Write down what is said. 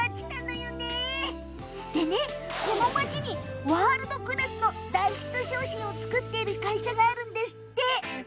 でね、この町にワールドクラスの大ヒット商品を作っている会社があるんですって。